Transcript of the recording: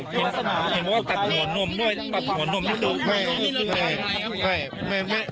เห็นว่าตัดหัวนมด้วยตัดหัวนมไม่ดู